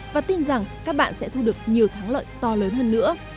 và tin rằng các bạn sẽ thu được nhiều thắng lợi to lớn hơn nữa